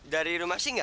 dari rumah singga